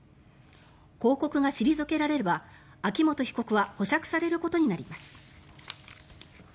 抗告が退けられれば秋元被告は保釈されることになります。